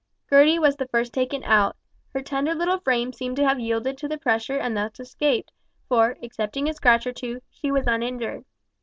Gertie was the first taken out. Her tender little frame seemed to have yielded to the pressure and thus escaped, for, excepting a scratch or two, she was uninjured.